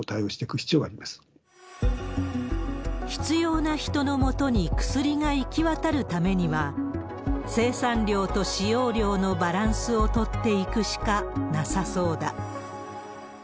必要な人のもとに薬が行き渡るためには、生産量と使用量のバランスを取っていくしかなさそうだ。